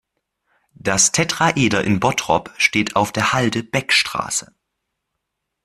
Das Tetraeder in Bottrop steht auf der Halde Beckstraße.